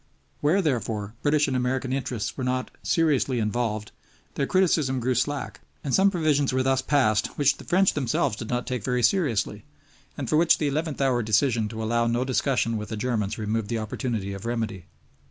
Where, therefore, British and American interests were not seriously involved their criticism grew slack, and some provisions were thus passed which the French themselves did not take very seriously, and for which the eleventh hour decision to allow no discussion with the Germans removed the opportunity of remedy.